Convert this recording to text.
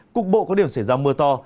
cục bộ có điểm xảy ra mưa to